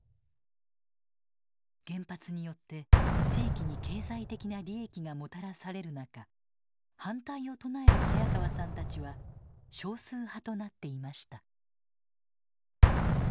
原発によって地域に経済的な利益がもたらされる中反対を唱える早川さんたちは少数派となっていました。